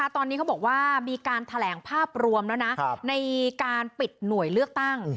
ตอนนี้เขาบอกว่ามีการแถลงภาพรวมแล้วนะในการปิดหน่วยเลือกตั้ง